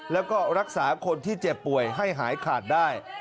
แล้วก็รักษาคนที่เจ็บป่วยให้หายขาดได้